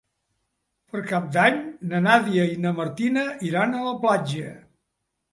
Per Cap d'Any na Nàdia i na Martina iran a la platja.